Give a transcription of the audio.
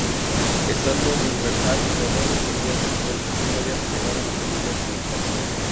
Estando en Universal, Prevost seguía todavía relegada a las comedias ligeras.